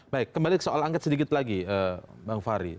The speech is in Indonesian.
baik kembali ke soal angket sedikit lagi bang fahri